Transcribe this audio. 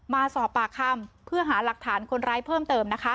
มาสอบปากคำเพื่อหาหลักฐานคนร้ายเพิ่มเติม